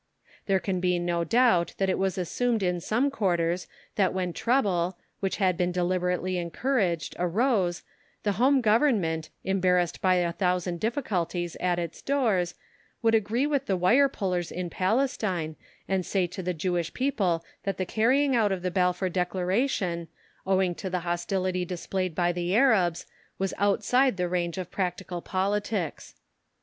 There can be no doubt that it was assumed in some quarters that when trouble, which had been deliberately encouraged, arose, the Home Government, embarrassed by a thousand difficulties at its doors, would agree with the wire pullers in Palestine, and say to the Jewish people that the carrying out of the Balfour Declaration, owing to the hostility displayed by the Arabs, was outside the range of practical politics.